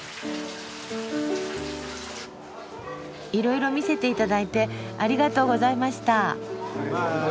いろいろ見せていただいてありがとうございました。